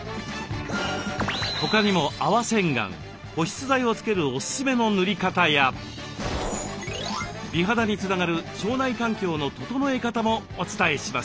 他にも泡洗顔保湿剤をつけるオススメの塗り方や美肌につながる腸内環境の整え方もお伝えします。